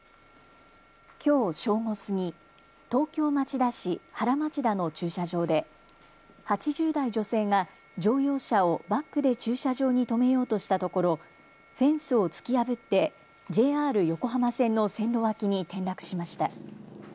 きょう正午過ぎ、東京町田市原町田の駐車場で８０代女性が乗用車をバックで駐車場に止めようとしたところフェンスを突き破ってＪＲ横浜線の線路脇に転落しました。